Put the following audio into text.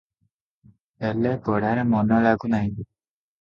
ହେଲେ ପଢ଼ାରେ ମନ ଲାଗୁ ନାହିଁ ।